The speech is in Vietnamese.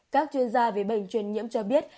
các chuyên gia về bệnh truyền nhiễm cho biết